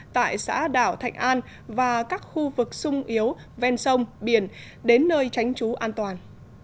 tại xã đảo thạnh an và các khu vực sung yếu ven sông biển đến nơi tránh trú an toàn